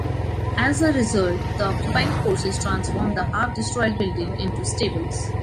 As a result, the occupying forces transformed the half-destroyed building into stables.